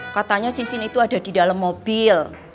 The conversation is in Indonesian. katanya cincin itu ada di dalam mobil